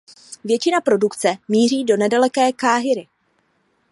Většina produkce míří do nedaleké Káhiry.